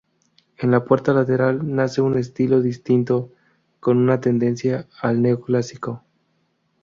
En la puerta lateral nace un estilo distinto, con una tendencia al neoclásico.